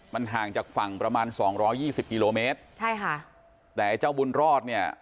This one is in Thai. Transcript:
มันห่างจากฝั่งประมาณสองร้อยยี่สิบกิโลเมตรใช่ค่ะแต่ไอ้เจ้าบุญรอดเนี่ย